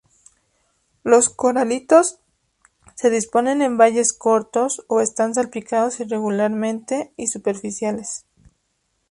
Los coralitos se disponen en valles cortos o están salpicados irregularmente y superficiales.